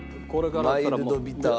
マイルドビター。